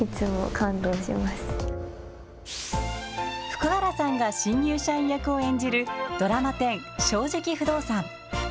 福原さんが新入社員役を演じるドラマ１０、正直不動産。